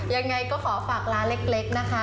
ยังไงก็ขอฝากร้านเล็กนะคะ